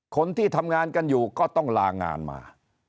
คนที่ทำงานกันอยู่ก็ต้องลางานมา